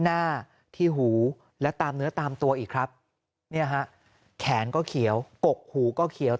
หน้าที่หูและตามเนื้อตามตัวอีกครับเนี่ยฮะแขนก็เขียวกกหูก็เขียว